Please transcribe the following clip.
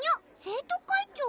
生徒会長！